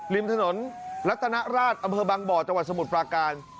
ริมถนนรัตนราชอำเภอบางบ่อจังหวัดสมุทรปราการ